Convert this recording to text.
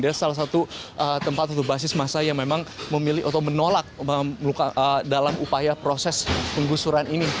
dia salah satu tempat atau basis masa yang memang memilih atau menolak dalam upaya proses penggusuran ini